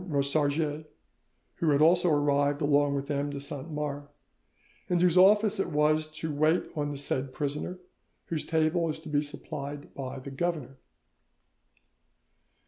Rosarges, who had also arrived along with M. de Saint Mars, and whose office it was to wait on the said prisoner, whose table is to be supplied by the governor."